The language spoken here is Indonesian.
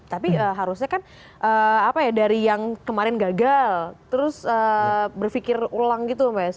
tapi harusnya kan apa ya dari yang kemarin gagal terus berpikir ulang gitu mas